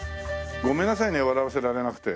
ごめんなさいね笑わせられなくて。